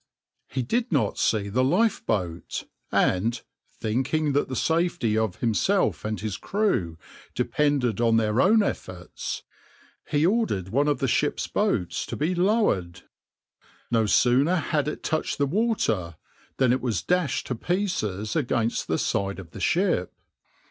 He did not see the lifeboat, and, thinking that the safety of himself and his crew depended on their own efforts, he ordered one of the ship's boats to be lowered. No sooner had it touched the water than it was dashed to pieces against the side of the ship.